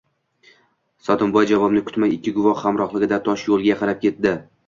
Sotimboy javobni kutmay ikki guvohi hamrohligida toshyoʻlga qarab ketdi.